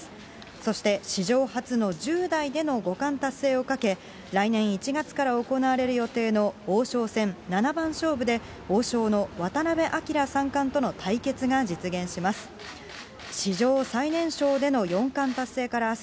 そして史上初の１０代での五冠達成を懸け、来年１月から行われる予定の王将戦七番勝負で王将の渡辺明三冠との対決が実現します。